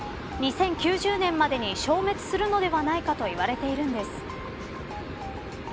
２０９０年までに消滅するのではないかと言われているんです。